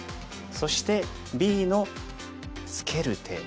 そしてＢのツケる手。